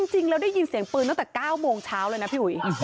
จริงแล้วได้ยินเสียงปืนตั้งแต่๙โมงเช้าเลยนะพี่อุ๋ย